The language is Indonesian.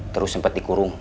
terus sempet dikurung